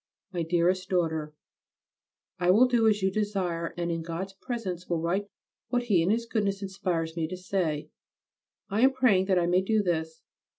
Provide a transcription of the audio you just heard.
MY DEAREST DAUGHTER, I will do as you desire and in God's presence will write what He in His Goodness inspires me to say. I am praying that I may do this.